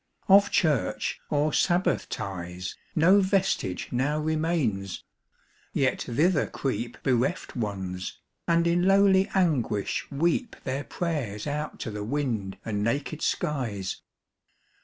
Of church, or sabbath ties, 5 No vestige now remains; yet thither creep Bereft Ones, and in lowly anguish weep Their prayers out to the wind and naked skies.